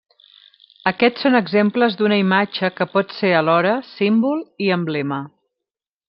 Aquests són exemples d'una imatge que pot ser alhora símbol i emblema.